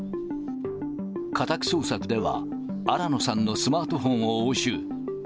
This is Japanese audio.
家宅捜索では、新野さんのスマートフォンを押収。